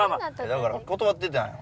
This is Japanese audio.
だから断ってたんよ。